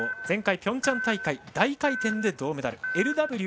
前回ピョンチャン大会は大回転で銅メダル。